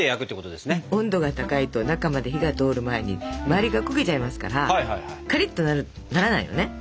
温度が高いと中まで火が通る前に周りが焦げちゃいますからカリッとならないのね。